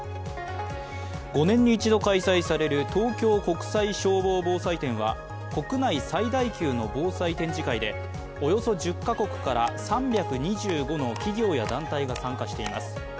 ５年に一度開催される東京国際消防防災展は国内最大級の防災展示会で、およそ１０か国から３２５の企業や団体が参加しています。